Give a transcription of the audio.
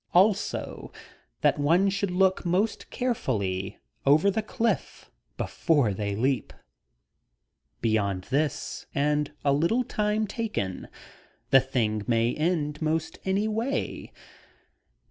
Also, that one should look most carefully over the cliff before they leap. Beyond this, and a little time taken, the thing may end most any way.